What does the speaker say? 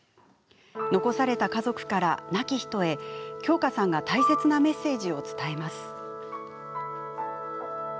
残された家族から亡き人へ京香さんが大切なメッセージを伝えます。